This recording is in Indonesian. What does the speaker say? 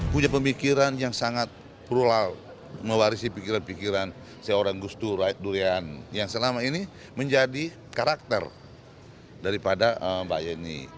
punya pemikiran yang sangat plural mewarisi pikiran pikiran seorang gus dur durian yang selama ini menjadi karakter daripada mbak yeni